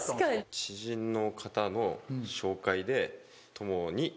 知人の方の紹介で。